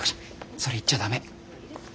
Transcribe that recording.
それ言っちゃ駄目。